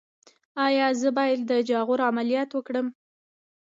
ایا زه باید د جاغور عملیات وکړم؟